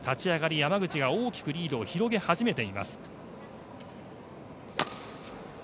山口が大きくリードを広げ始めています。